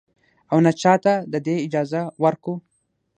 او نـه چـاتـه د دې اجـازه ورکـو.